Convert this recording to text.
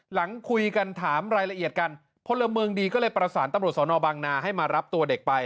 หลังคุยกันถามรายละเอียดกันพลเมืองดีก็เลยประสานตำรวจสนบางนาให้มารับตัวเด็กไป